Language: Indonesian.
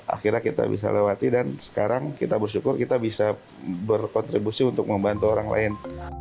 akhirnya kita bisa lewati dan sekarang kita bersyukur kita bisa berkontribusi untuk membantu orang lain